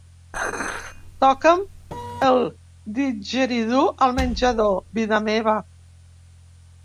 Toca'm el didjeridú al menjador, vida meva.